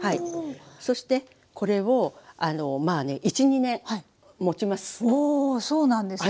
そしてこれをまあね１２年もちます。